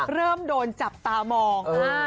เริ่มโดนจับตามอง